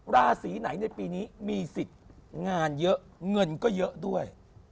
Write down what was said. ราศีไหนในปีนี้มีสิทธิ์งานเยอะเงินก็เยอะด้วย